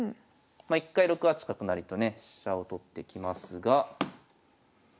一回６八角成とね飛車を取ってきますが。